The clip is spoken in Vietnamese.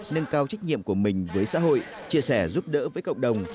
nâng cao trách nhiệm của mình với xã hội chia sẻ giúp đỡ với cộng đồng